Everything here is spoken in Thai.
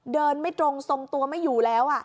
ไม่ตรงทรงตัวไม่อยู่แล้ว